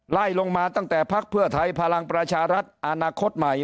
ไล่ลงมาตั้งแต่พักเพื่อไทยพลังประชารัฐอนาคตใหม่